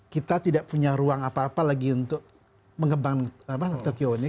kita tidak punya ruang apa apa lagi untuk mengembang tokyo ini